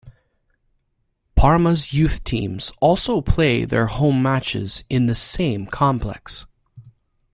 Parma's youth teams also play their home matches in the same complex.